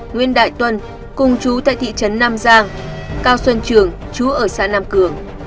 nguyễn đại tuân cùng chú tại thị trấn nam giang cao xuân trường chú ở xã nam cường